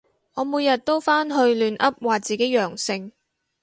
我每日都返去亂噏話自己陽性